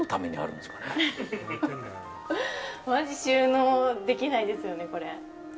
マジ収納できないですよね。